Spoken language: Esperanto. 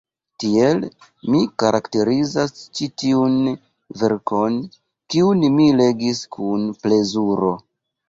Tiel mi karakterizas ĉi tiun verkon, kiun mi legis kun plezuro.